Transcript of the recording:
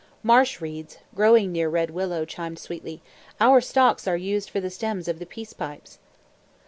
Marsh Reeds, growing near Red Willow, chimed sweetly, "Our stalks are used for the stems of the peace pipes."